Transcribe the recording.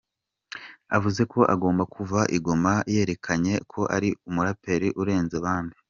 Avuze ko agomba kuva i Ngoma yerekanye ko ’ari umuraperi urenze abandi’.